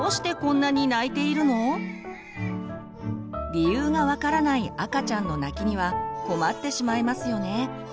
理由が分からない赤ちゃんの泣きには困ってしまいますよね。